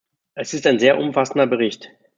Es ist ein sehr umfassender Bericht.